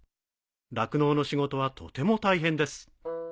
酪農の仕事はとても大変です。